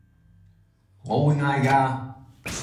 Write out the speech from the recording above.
我會嗌㗎